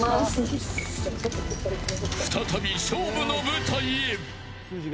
再び、勝負の舞台へ。